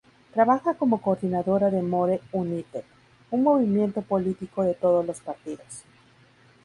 Trabaja como coordinadora de More United, un movimiento político de todos los partidos.